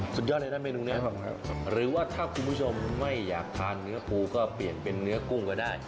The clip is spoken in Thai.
สุดยอดเลยนะเมนูนี้หรือว่าถ้าคุณผู้ชมไม่อยากทานเนื้อปูก็เปลี่ยนเป็นเนื้อกุ้งก็ได้